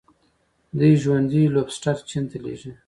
دوی ژوندي لوبسټر چین ته لیږي.